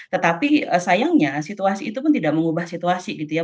tetapi sayangnya situasi itu pun tidak mengubah situasi gitu ya